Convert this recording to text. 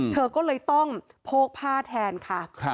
เธอก็เลยต้องโพกผ้าแทนค่ะ